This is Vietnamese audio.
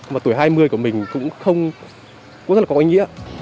mà tuổi hai mươi của mình cũng không có ý nghĩa